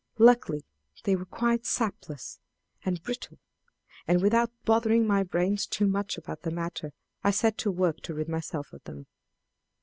Luckily they were quite sapless and brittle, and without bothering my brains too much about the matter, I set to work to rid myself of them.